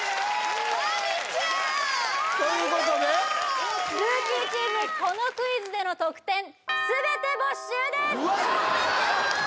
Ａｍｉちゃんありがとう！ということでルーキーチームこのクイズでの得点全て没収です